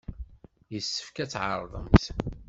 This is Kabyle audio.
Yessefk ad tɛerḍemt!